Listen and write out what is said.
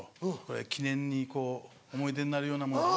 記念に思い出になるようなものを」。